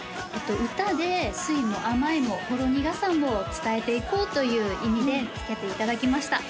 歌で酸いも甘いもほろ苦さも伝えていこうという意味で付けていただきました